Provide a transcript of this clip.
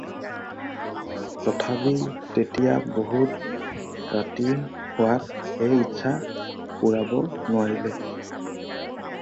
তথাপি তেতিয়া বহুত ৰাতি হোৱাত সেই ইচ্ছা পূৰাব নোৱাৰিলে।